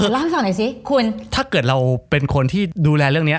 เล่าให้ฟังหน่อยสิคุณถ้าเกิดเราเป็นคนที่ดูแลเรื่องนี้